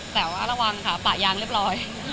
แต่ว่าระวังค่ะปะยางเรียบร้อย